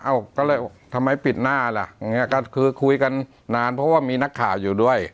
เอ้าทำไมปิดหน้าล่ะคุยกันนานเพราะว่ามีนักข่าวอยู่ด้วย